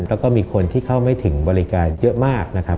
แล้วก็มีคนที่เข้าไม่ถึงบริการเยอะมากนะครับ